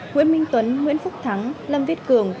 nguyễn minh tuấn nguyễn phúc thắng lâm viết cường